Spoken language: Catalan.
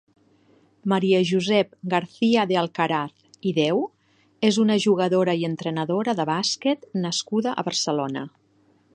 Maria Josep García de Alcaraz i Deu és una jugadora i entrenadora de bàsquet nascuda a Barcelona.